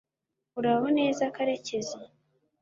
uraho neza, karekezi